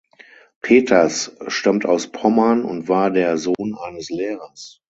Peters stammt aus Pommern und war der Sohn eines Lehrers.